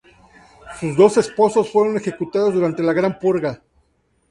Sus dos esposos fueron ejecutados durante la Gran Purga.